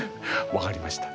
分かりました。